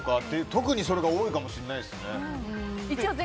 特にそれが多いかもしれないですね。